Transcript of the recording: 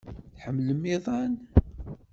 Tḥemmlem iḍan?